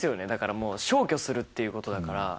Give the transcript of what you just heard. だからもう、消去するっていうことだから。